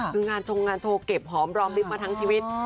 คืองานโจงเก็บหอมรอบลิบมาทั้งชีวิต